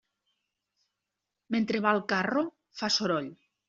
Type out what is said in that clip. Mentre va el carro, fa soroll.